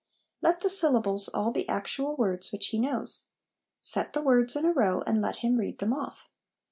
Let the syllables all be actual words which he knows. Set the words in a row, and let him read them off.